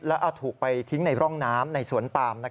แล้วเอาถูกไปทิ้งในร่องน้ำในสวนปาม